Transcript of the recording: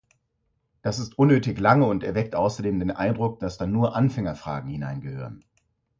Das ist unnötig lange und erweckt außerdem den Eindruck, dass da nur Anfängerfragen hineingehören.